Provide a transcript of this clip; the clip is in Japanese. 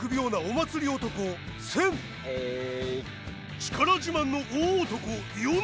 力自慢の大男ヨネ。